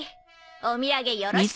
お土産よろしく。